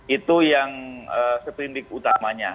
itu yang seprindik utamanya